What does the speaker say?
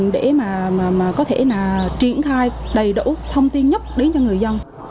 để mà có thể là triển khai đầy đủ thông tin nhất đến cho người dân